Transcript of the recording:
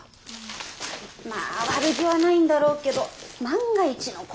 まあ悪気はないんだろうけど万が一のことがあったらね。